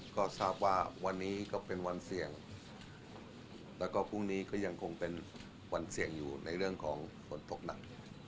ก็ทราบว่าวันนี้ก็เป็นวันเสี่ยงแล้วก็พรุ่งนี้ก็ยังคงเป็นวันเสี่ยงอยู่ในเรื่องของฝนตกหนัก